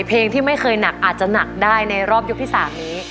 เพลงที่ไม่เคยหนักอาจจะหนักได้ในรอบยกที่๓นี้